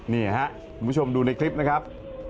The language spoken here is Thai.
นี่ครับคุณผู้ชมดูในคลิปนะครับ